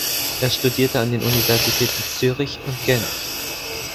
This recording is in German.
Er studierte an den Universitäten Zürich und Genf.